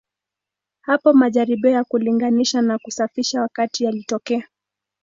Hapo majaribio ya kulinganisha na kusafisha wakati yalitokea.